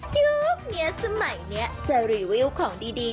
โปรดติดตามตอนต่อไป